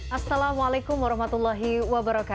assalamualaikum wr wb